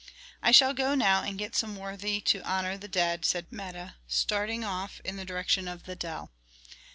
"I shall go now and get some worthy to honor the dead," said Meta, starting off in the direction of the dell.